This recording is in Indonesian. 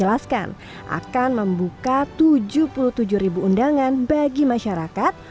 menjelaskan akan membuka tujuh puluh tujuh ribu undangan bagi masyarakat